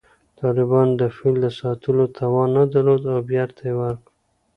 طالبانو د فیل د ساتلو توان نه درلود او بېرته یې ورکړ